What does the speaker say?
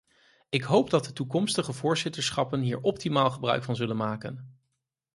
Ik hoop dat de toekomstige voorzitterschappen hier optimaal gebruik van zullen maken.